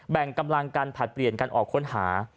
แบ่งกำลังกันผลัดเปลี่ยนกันออกค้นหา